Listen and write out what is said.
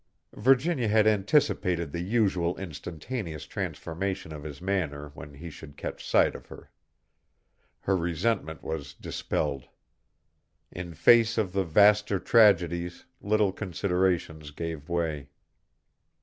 Virginia had anticipated the usual instantaneous transformation of his manner when he should catch sight of her. Her resentment was dispelled. In face of the vaster tragedies little considerations gave way.